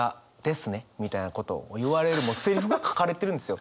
みたいなことを言われるセリフが書かれてるんですよ。